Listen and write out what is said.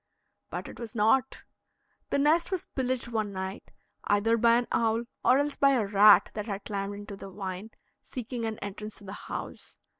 But it was not; the nest was pillaged one night, either by an owl, or else by a rat that had climbed into the vine, seeking an entrance to the house.